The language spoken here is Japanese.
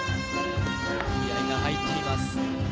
気合いが入っています